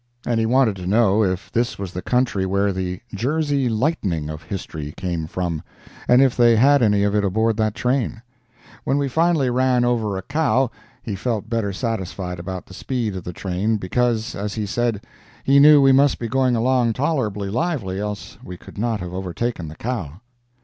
And he wanted to know if this was the country where the "Jersey lightning" of history came from, and if they had any of it aboard that train. When we finally ran over a cow, he felt better satisfied about the speed of the train, because, as he said, he knew we must be going along tolerably lively else we could not have overtaken the cow.